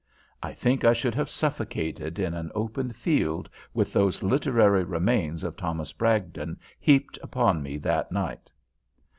I think I should have suffocated in an open field with those literary remains of Thomas Bragdon heaped about me that night.